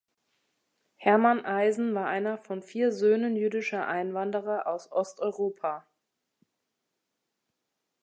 Herman Eisen war einer von vier Söhnen jüdischer Einwanderer aus Osteuropa.